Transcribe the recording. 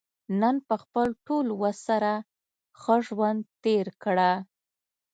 نن په خپل ټول وس سره ښه ژوند تېر کړه.